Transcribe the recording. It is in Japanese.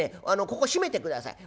ここ閉めてください。